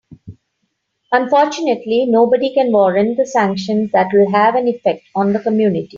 Unfortunately, nobody can warrant the sanctions that will have an effect on the community.